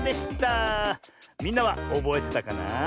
みんなはおぼえてたかな？